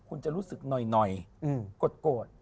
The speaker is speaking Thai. คุณจะรู้สึกหน่อยโกรธ